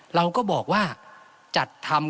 เราก็บอกว่าจัดทำ